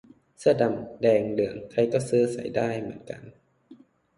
เสื้อดำ แดง เหลือง ใครก็ซื้อใส่ได้เหมือนกัน